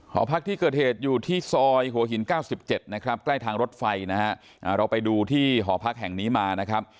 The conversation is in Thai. หอพักที่เกิดเหตุอยู่ที่ซอยหัวหิน๙๗นะครับใกล้ทางรถไฟนะฮะเราไปดูที่หอพักแห่งนี้มานะครับ